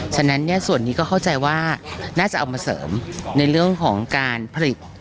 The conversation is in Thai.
ฉะนั้นส่วนนี้ก็เข้าใจว่าน่าจะเอามาเสริมในเรื่องของการผลิต